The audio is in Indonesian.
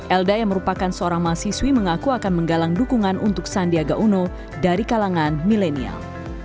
elda yang merupakan seorang mahasiswi mengaku akan menggalang dukungan untuk sandiaga uno dari kalangan milenial